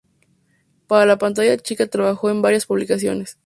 Para la pantalla chica trabajó en varias publicidades.